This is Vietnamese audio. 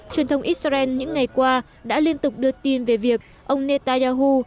truyền thông israel những ngày qua đã liên tục đưa tin về việc ông netanyahu